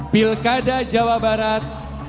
pilkada jawa barat dua ribu delapan belas